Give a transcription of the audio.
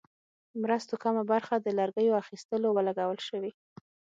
مرستو کمه برخه د لرګیو اخیستلو ولګول شوې.